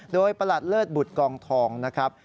โดยประหลัดเลิศบุตรกองทองนะครับ